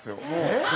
えっ？